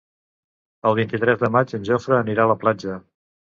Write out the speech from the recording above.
El vint-i-tres de maig en Jofre anirà a la platja.